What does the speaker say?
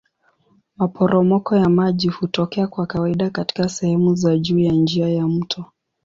Maporomoko ya maji hutokea kwa kawaida katika sehemu za juu ya njia ya mto.